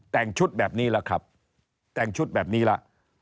แต่งชุดแบบนี้แล้วครับแต่งชุดแบบนี้ละ